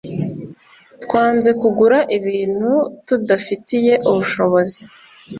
twanze kugura ibintu tudafitiye ubushobozi.